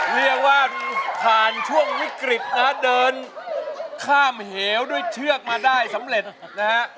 เรียกว่าผ่านช่วงวิกฤตนะฮะเดินข้ามเหวด้วยเชือกมาได้สำเร็จนะฮะ